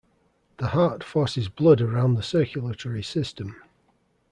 The heart forces blood around the circulatory system.